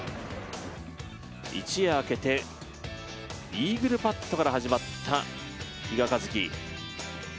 一夜明けてイーグルパットから始まった比嘉一貴。